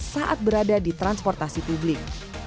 saat berada di transportasi publik